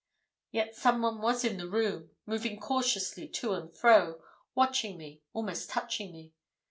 "Yet, someone was in the room, moving cautiously to and fro, watching me, almost touching me.